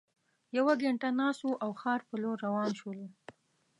یوه ګینټه ناست وو او ښار په لور روان شولو.